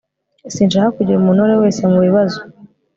sinshaka kugira umuntu uwo ari we wese mu bibazo